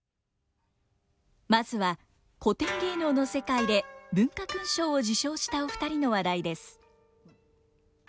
まずは古典芸能の世界で文化勲章を受章したお二人の話題です。